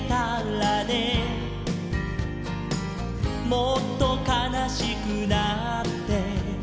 「もっとかなしくなって」